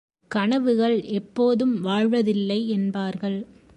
கனவுகள் எப்போதும் வாழ்வதில்லை என்பார்கள்.